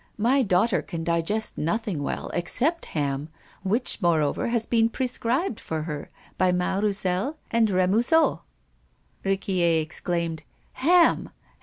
My daughter can digest nothing well except ham, which, moreover has been prescribed for her by Mas Roussel and Remusot." Riquier exclaimed: "Ham!